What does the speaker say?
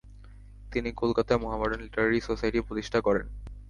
তিনি কলকাতায় Mohammedan literary society প্রতিষ্ঠা করেন।